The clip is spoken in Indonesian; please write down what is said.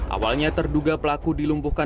awalnya terduga pelaku dilumpuhkan